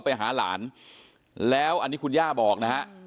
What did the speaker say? เป็นมีดปลายแหลมยาวประมาณ๑ฟุตนะฮะที่ใช้ก่อเหตุ